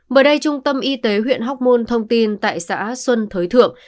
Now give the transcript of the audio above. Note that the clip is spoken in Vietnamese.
mới đây trung tâm y tế huyện hóc môn thông tin tại xã xuân thới thượng